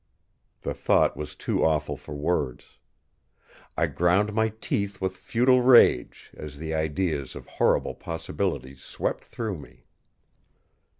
... The thought was too awful for words. I ground my teeth with futile rage, as the ideas of horrible possibilities swept through me.